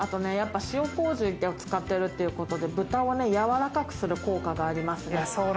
塩麹を使ってるってことで、豚をやわらかくする効果があります。